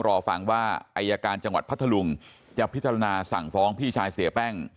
รอฟังว่าอายการจังหวัดพัทธลุงจะพิจารณาสั่งฟ้องพี่ชายเสียแป้ง